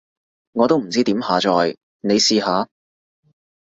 我都唔知點下載，你試下？